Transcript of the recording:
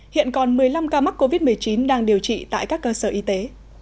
hiện còn một mươi năm ca mắc covid một mươi chín đang điều trị tại các cơ sở y tế